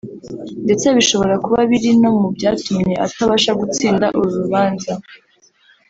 ndetse bishobora kuba biri no mu byatumye atabasha gutsinda uru rubanza